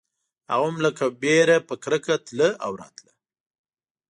هغه هم لکه وېره په کرکه تله او راتله.